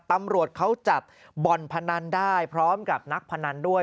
ตำรวจเขาจับบ่อนพนันได้พร้อมกับนักพนันด้วย